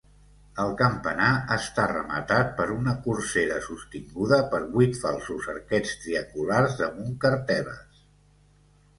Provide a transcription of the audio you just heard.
El campanar està rematat per una corsera sostinguda per vuit falsos arquets triangulars damunt cartel·les.